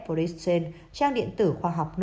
và đăng trên trang điện tử khoa học